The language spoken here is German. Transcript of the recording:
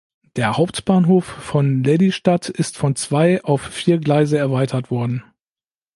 Der Hauptbahnhof von Lelystad ist von zwei auf vier Gleise erweitert worden.